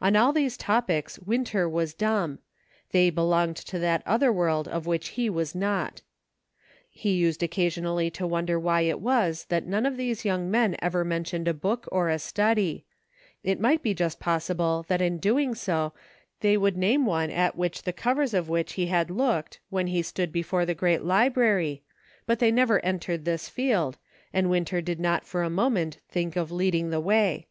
On all these topics Winter was dumb ; they belonged to that other world of which he was not. He used occasionally to wonder why it was that none of these young men ever mentioned a book or a study ; it might be just possible that in doing so they would name one at the covers of which he had looked, when he stood before the great library, but they never entered this field, and Winter did not for a moment think of leading the way.